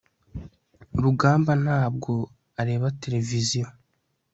rugamba ntabwo areba television